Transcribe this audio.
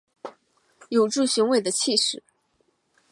有著雄伟的气势